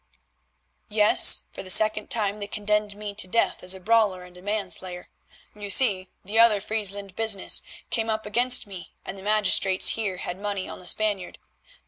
"Yes, for the second time they condemned me to death as a brawler and a manslayer. You see, the other Friesland business came up against me, and the magistrates here had money on the Spaniard.